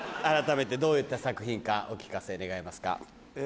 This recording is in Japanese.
改めてどういった作品かお聞かせ願えますか？